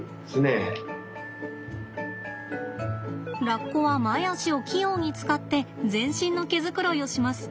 ラッコは前足を器用に使って全身の毛づくろいをします。